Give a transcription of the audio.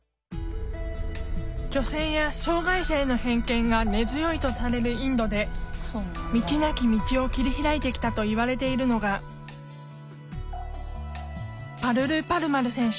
女性や障害者への偏見が根強いとされるインドで道なき道を切り開いてきたといわれているのがパルル・パルマル選手。